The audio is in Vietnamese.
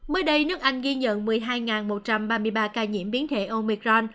mới đây nước anh ghi nhận một mươi hai một trăm ba mươi ba ca nhiễm biến thể omicron